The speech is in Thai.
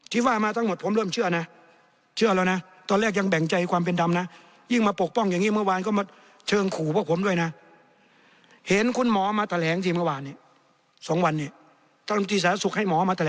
ที่ว่ามาทั้งหมดผมเริ่มเชื่อนะเชื่อแล้วนะ